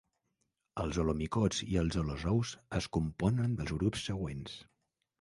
Els holomicots i els holozous es componen dels grups següents.